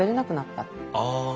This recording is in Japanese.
ああ。